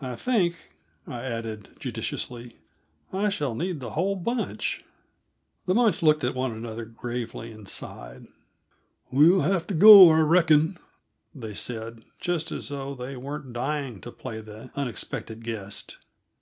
I think," I added judicially, "I shall need the whole bunch." The "bunch" looked at one another gravely and sighed. "We'll have t' go, I reckon," they said, just as though they weren't dying to play the unexpected guest.